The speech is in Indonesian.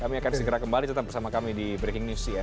kami akan segera kembali tetap bersama kami di breaking news cnn